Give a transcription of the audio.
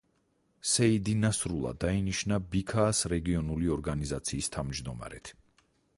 სეიდი ნასრულა დაინიშნა ბიქაას რეგიონული ორგანიზაციის თავმჯდომარედ.